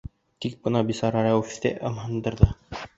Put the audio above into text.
Тик бына бисара Рәүефте ымһындырҙы.